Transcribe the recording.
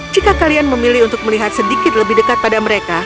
jika kalian memilih untuk melihat sedikit lebih dekat pada mereka